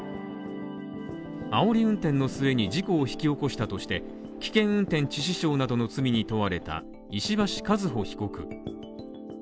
あおり運転の末に事故を引き起こしたとして危険運転致死傷などの罪に問われた石橋和歩被告。